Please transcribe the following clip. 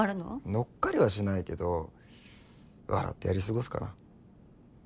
乗っかりはしないけど笑ってやり過ごすかな。